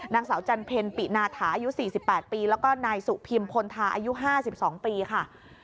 นางสาวจันเพ็ญปินาถาอายุ๔๘ปีแล้วก็นายสุพิมพลธาอายุ๕๒ปีค่ะ